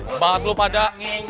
bapak lu pada